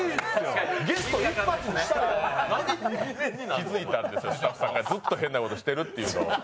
気付いたんですよ、スタッフさんが、ずっと変なことをしているってことを。